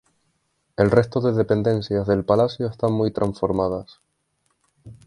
El resto de dependencias del palacio están muy transformadas.